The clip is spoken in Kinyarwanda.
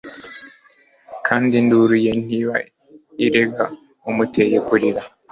kandi induru ye ntiba irega umuteye kurira